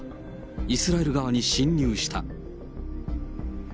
イスラエル側に侵入した。